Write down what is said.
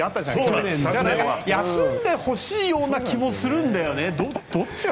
だから休んでほしいような気もするんだよね。